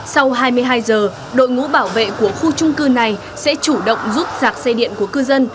sau hai mươi hai giờ đội ngũ bảo vệ của khu trung cư này sẽ chủ động giúp giạc xe điện của cư dân